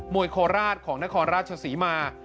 วยโคราชของนครราชศรีมา